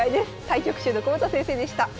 対局中の窪田先生でした。